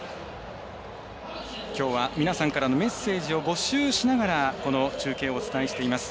きょうは皆さんからのメッセージを募集しながら中継をお伝えしています。